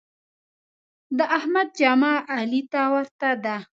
د احمد جامه علي ته ورته ده.